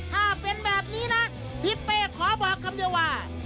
ถ้าเป็นแบบนี้นะทิศเป้ขอบอกคำเดียวว่า